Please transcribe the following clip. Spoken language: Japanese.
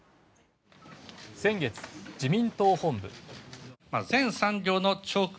先月、自民党本部。